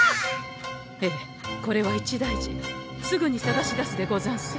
ええこれは一大事すぐにさがし出すでござんす。